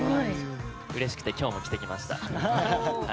うれしくて今日も着てきました。